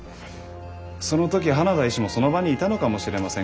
その時花田医師もその場にいたのかもしれません。